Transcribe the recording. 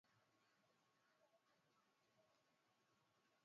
Njia ya kukabiliana na ugonjwa wa mapafu ni kutenga wanyama wagonjwa na walio salama